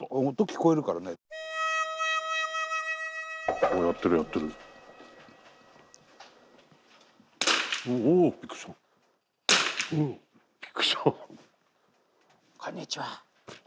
こんにちは。